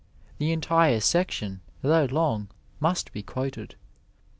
The entire section, though long, must be quoted.